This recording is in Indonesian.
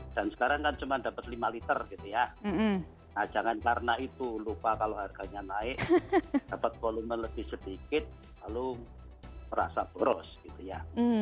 dan sekarang kan cuma dapat lima liter gitu ya nah jangan karena itu lupa kalau harganya naik dapat volume lebih sedikit lalu merasa boros gitu ya